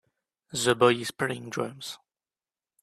The boy is playing drums.